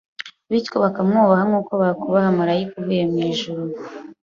bityo bakamwubaha nk’uko bakubaha marayika uvuye mu ijuru,